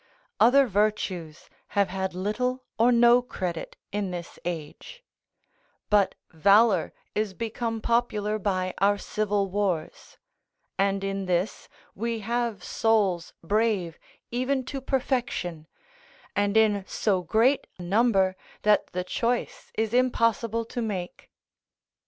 Other virtues have had little or no credit in this age; but valour is become popular by our civil wars; and in this, we have souls brave even to perfection, and in so great number that the choice is impossible to make.